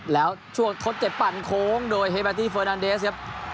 แล้วช่วงทดเจ็บปั่นโค้งโดยเฮเบอร์ตี้เฟอร์นันเดสครับ